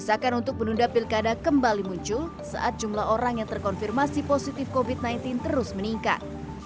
desakan untuk menunda pilkada kembali muncul saat jumlah orang yang terkonfirmasi positif covid sembilan belas terus meningkat